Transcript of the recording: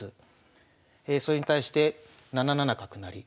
それに対して７七角成。